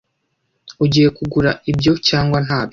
Ugiye kugura ibyo cyangwa ntabyo?